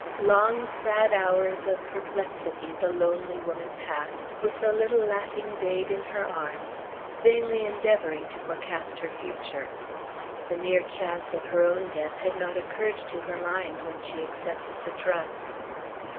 Long sad hours of perplexity the lonely woman passed, with the little laughing babe in her arms, vainly endeavoring to forecast her future. The near chance of her own death had not occurred to her mind when she accepted the trust.